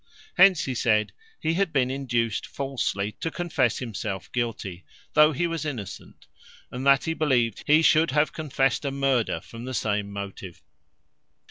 Hence, he said, he had been induced falsely to confess himself guilty, though he was innocent; and that he believed he should have confest a murder from the same motive.